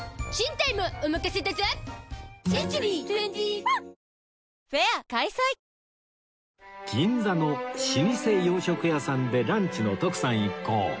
ポリグリップ銀座の老舗洋食屋さんでランチの徳さん一行